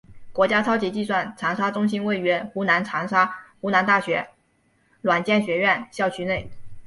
国家超级计算长沙中心位于湖南长沙湖南大学软件学院校区内。